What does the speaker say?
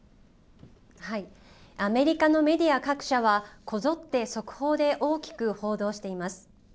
アメリカのメディア各社はこぞって速報で大きく報道しています。